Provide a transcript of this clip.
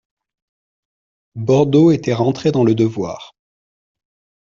Bordeaux était rentré dans le devoir.